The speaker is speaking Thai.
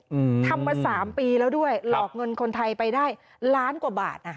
อืมทำมาสามปีแล้วด้วยหลอกเงินคนไทยไปได้ล้านกว่าบาทอ่ะ